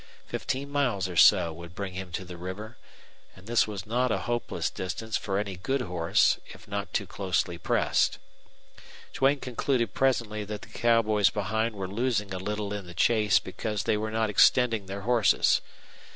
Fifteen miles or so would bring him to the river, and this was not a hopeless distance for any good horse if not too closely pressed. Duane concluded presently that the cowboys behind were losing a little in the chase because they were not extending their horses.